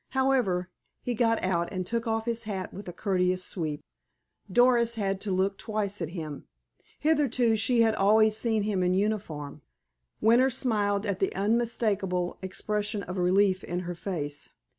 However, he got out, and took off his hat with a courteous sweep. Doris had to look twice at him. Hitherto, she had always seen him in uniform. Winter smiled at the unmistakable expression of relief in her face.